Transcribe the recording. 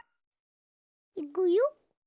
いくよ。